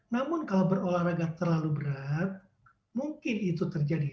namun kalau berolahraga terlalu berat mungkin itu terjadi